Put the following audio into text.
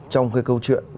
trong cái câu chuyện